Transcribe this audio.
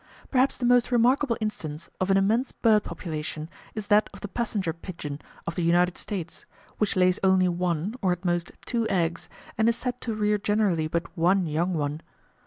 Perhaps the most remarkable instance of an immense bird population is that of the passenger pigeon of the United States, which lays only one, or at most two eggs, and is said to rear generally but one young one.